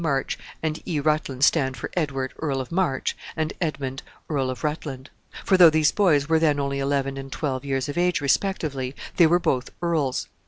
March and E. Rutland stand for Edward, Earl of March, and Edmund, Earl of Rutland; for, though these boys were then only eleven and twelve years of age respectively, they were both earls.